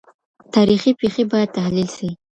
تاريخي پېښې بايد تحليل سي.